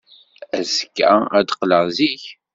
Azekka ad d-qqleɣ zik.